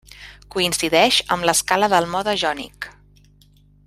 Coincideix amb l'escala del mode jònic.